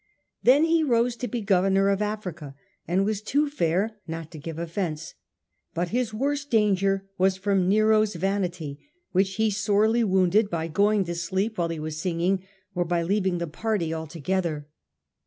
Then he rose to be governor of Africa, and was too fair not to give ofifence; but his worst danger was from Nero^s vanity, which he sorely wounded, by going to sleep while he was singing, or by leaving the party altogether.